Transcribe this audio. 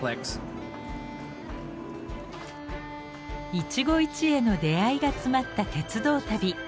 一期一会の出会いが詰まった鉄道旅。